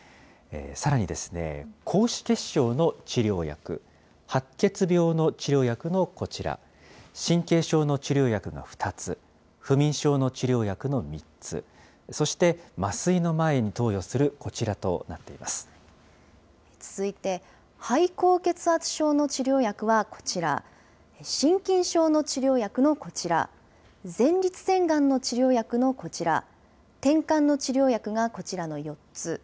さらにですね、高脂血症の治療薬、白血病の治療薬のこちら、神経症の治療薬が２つ、不眠症の治療薬の３つ、そして、麻酔の前に投与するこちらとなっ続いて、肺高血圧症の治療薬はこちら、真菌症の治療薬のこちら、前立腺がんの治療薬のこちら、てんかんの治療薬がこちらの４つ。